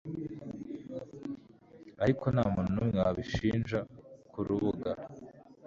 Ariko ntamuntu numwe wabishinja kurubuga